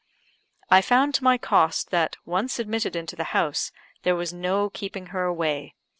I found to my cost, that, once admitted into the house, there was no keeping her away.